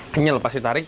kenyal pasti tarik